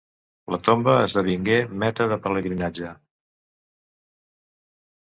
La tomba esdevingué meta de pelegrinatge.